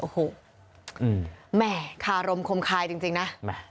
แหมคารมคมคายจริงนะ